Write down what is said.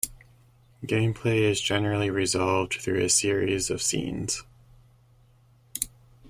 Gameplay is generally resolved through a series of "scenes".